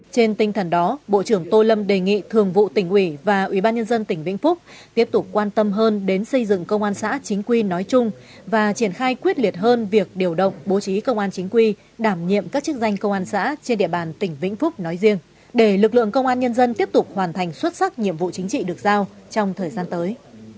trên tinh thần đó bộ trưởng tô lâm đề nghị thường vụ tỉnh ủy và ủy ban nhân dân tỉnh vĩnh phúc tiếp tục quan tâm hơn đến xây dựng công an xã chính quy nói chung và triển khai quyết liệt hơn việc điều động bố trí công an chính quy đảm nhiệm các chức danh công an xã trên địa bàn tỉnh vĩnh phúc nói riêng để lực lượng công an nhân dân tiếp tục hoàn thành xuất sắc nhiệm vụ chính trị được giao trong thời gian tới